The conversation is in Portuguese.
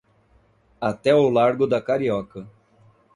Até o largo da Carioca.